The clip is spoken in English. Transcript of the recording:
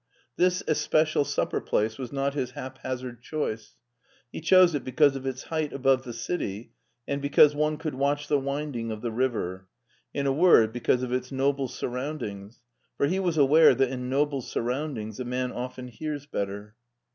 This especial supper place was not his haphazard choice. He chose it because of its height above the city, and because one could watch the wind ing of the river ; in a word, because of its noble sur roundings, for he was aware that in noUe surround* ings a man often hears better.